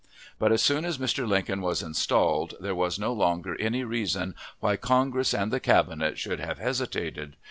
But as soon as Mr. Lincoln was installed, there was no longer any reason why Congress and the cabinet should have hesitated.